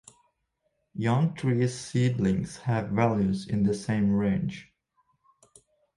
Young tree seedlings have values in the same range.